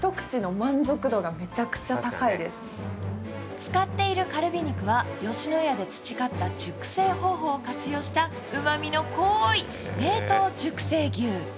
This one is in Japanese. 使っているカルビ肉は吉野家で培った熟成方法でうまみの濃い冷凍熟成牛。